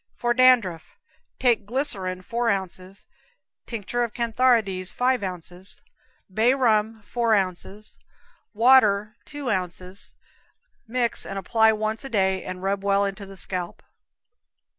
For Dandruff. Take glycerine, four ounces; tincture of cantharides, five ounces; bay rum, four ounces; water, two ounces. Mix and apply once a day, and rub well into the scalp.